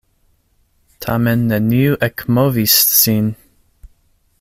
Tamen neniu ekmovis sin!